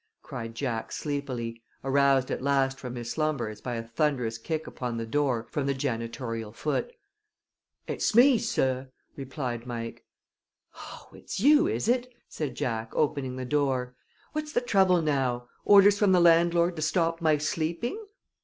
cried Jack, sleepily, aroused at last from his slumbers by a thunderous kick upon the door from the janitorial foot. "Ut's me, sorr," replied Mike. "Oh, it's you, is it?" said Jack, opening the door. "What's the trouble now? Orders from the landlord to stop my sleeping?"